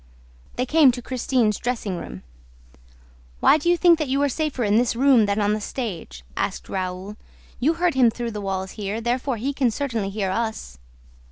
They came to Christine's dressing room. "Why do you think that you are safer in this room than on the stage?" asked Raoul. "You heard him through the walls here, therefore he can certainly hear us."